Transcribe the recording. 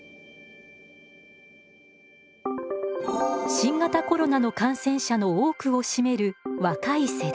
新型コロナの感染者の多くを占める若い世代。